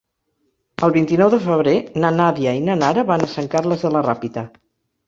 El vint-i-nou de febrer na Nàdia i na Nara van a Sant Carles de la Ràpita.